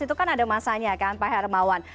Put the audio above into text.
itu kan ada masanya kan pak hermawan